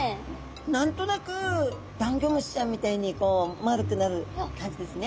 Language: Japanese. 何となくダンギョムシちゃんみたいにこう丸くなる感じですね。